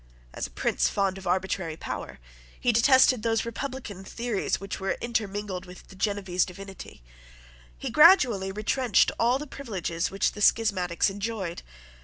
As a prince fond of arbitrary power, he detested those republican theories which were intermingled with the Genevese divinity. He gradually retrenched all the privileges which the schismatics enjoyed.